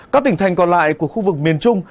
các tỉnh thành còn lại của khu vực miền trung